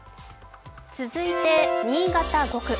続いて、新潟５区。